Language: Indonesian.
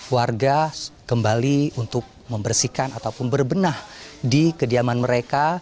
warga kembali untuk membersihkan ataupun berbenah di kediaman mereka